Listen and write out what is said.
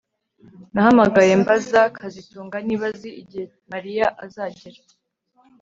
Nahamagaye mbaza kazitunga niba azi igihe Mariya azagera